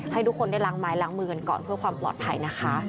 ให้ทุกคนได้ล้างไม้ล้างมือกันก่อนเพื่อความปลอดภัยนะคะ